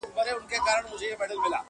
که مي دوی نه وای وژلي دوی وژلم-